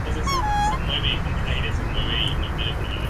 Esto es evidencia de que los dientes adquirían la raíz doble con la edad.